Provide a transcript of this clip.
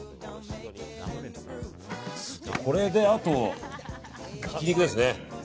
これで、あとひき肉ですね。